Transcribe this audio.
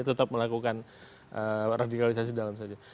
tetap melakukan radikalisasi dalam saja